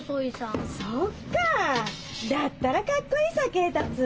あそっかだったらカッコいいさ恵達。